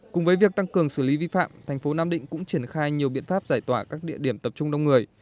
cùng với việc tăng cường xử lý vi phạm thành phố nam định cũng triển khai nhiều biện pháp giải tỏa các địa điểm tập trung đông người